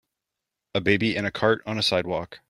A baby in a cart on a sidewalk.